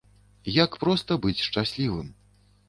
Як проста быць шчаслівым.